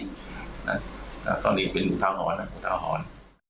ก็หนีเป็นหูเท้าหอน